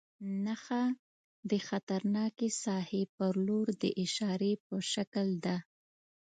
نښه د خطرناکې ساحې پر لور د اشارې په شکل ده.